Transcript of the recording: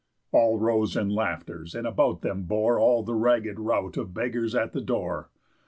All rose in laughters; and about them bore All the ragg'd rout of beggars at the door.